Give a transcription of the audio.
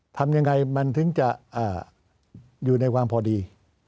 ทำยังไงมันถึงจะอยู่ในความพอดี